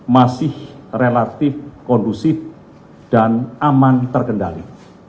masih relatif kondusif dan aman terkendali